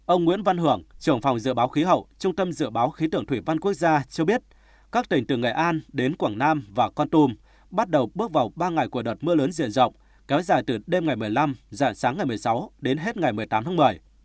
ông nguyễn văn hưởng trưởng phòng dự báo khí hậu trung tâm dự báo khí tượng thủy văn quốc gia cho biết các tỉnh từ nghệ an đến quảng nam và con tum bắt đầu bước vào ba ngày của đợt mưa lớn diện rộng kéo dài từ đêm ngày một mươi năm dạng sáng ngày một mươi sáu đến hết ngày một mươi tám tháng một mươi